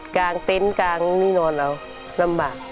กางเต็นต์กางนี่นอนแล้วลำบาก